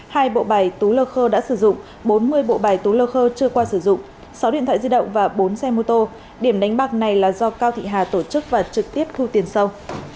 hai bộ bài tú lơ khơ đã sử dụng bốn mươi bộ bài tú lơ khơ chưa qua sử dụng sáu điện thoại di động và bốn xe mô tô điểm đánh bạc này là do cao thị hà tổ chức và trực tiếp thu tiền sâu